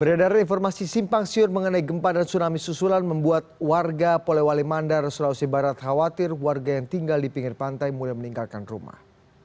beredar informasi simpang siur mengenai gempa dan tsunami susulan membuat warga polewali mandar sulawesi barat khawatir warga yang tinggal di pinggir pantai mulai meninggalkan rumah